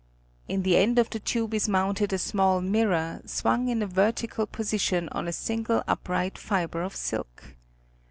In. the end of the tube is mounted a small mirror, swung in a vertical position on a single upright fibre of silk.